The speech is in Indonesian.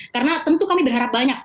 karena tentu kami berharap banyak